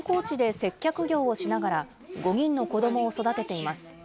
観光地で接客業をしながら５人の子どもを育てています。